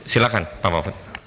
silakan pak mahfud